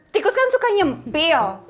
tikus kan suka nyempil